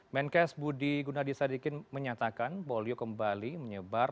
menkes budi gunadisadikin menyatakan polio kembali menyebar